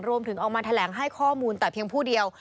ออกมาแถลงให้ข้อมูลแต่เพียงผู้เดียว